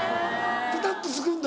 ペタっとつくんだ。